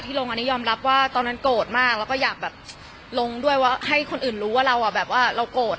ลงอันนี้ยอมรับว่าตอนนั้นโกรธมากแล้วก็อยากแบบลงด้วยว่าให้คนอื่นรู้ว่าเราอ่ะแบบว่าเราโกรธ